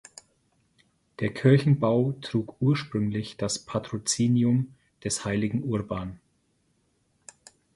Der Kirchenbau trug ursprünglich das Patrozinium des heiligen Urban.